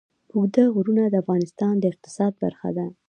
اوږده غرونه د افغانستان د اقتصاد برخه ده.